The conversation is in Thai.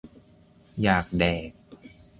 อยากแดก